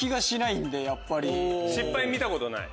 失敗見たことない？